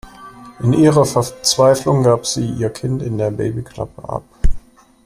In ihrer Verzweiflung gab sie ihr Kind in der Babyklappe ab.